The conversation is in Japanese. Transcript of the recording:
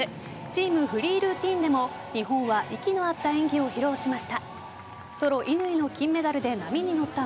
チーム・フリールーティンでも日本は息の合った演技を披露しました。